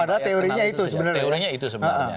pada teorinya itu sebenarnya